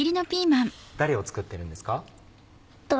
誰を作ってるんですか？